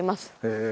へえ。